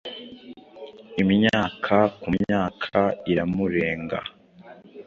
Imyaka kumyaka iramurenga!